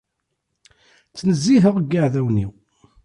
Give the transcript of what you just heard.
Ttnezziheɣ deg yiɛdawen-iw.